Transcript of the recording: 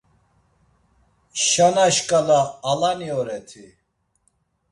Şana şǩala alani oreti?